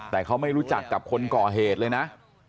แต่เขาไม่รู้จักกับคนก่อเหตุเลยนะ